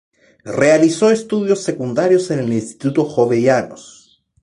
Realizó estudios secundarios en el Instituto Jovellanos.